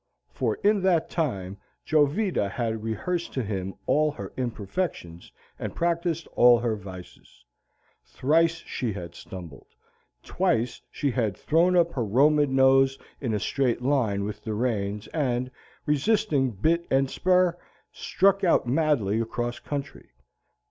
For in that time Jovita had rehearsed to him all her imperfections and practised all her vices. Thrice had she stumbled. Twice had she thrown up her Roman nose in a straight line with the reins, and, resisting bit and spur, struck out madly across country.